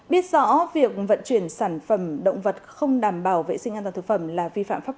biết rõ việc vận chuyển sản phẩm động vật không đảm bảo vệ sinh an toàn thực phẩm là vi phạm pháp luật